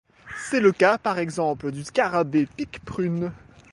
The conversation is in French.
C'est le cas par exemple du scarabée Pique-Prune.